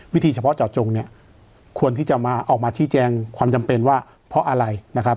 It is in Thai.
วิธีเฉพาะเจาะจงเนี่ยควรที่จะมาออกมาชี้แจงความจำเป็นว่าเพราะอะไรนะครับ